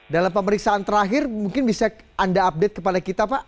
dalam pemeriksaan terakhir mungkin bisa anda update kepada kita pak